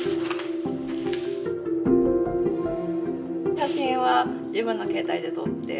写真は自分の携帯で撮って。